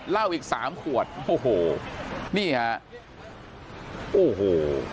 เหล้าอีกสามขวดโอ้โหนี่ฮะโอ้โห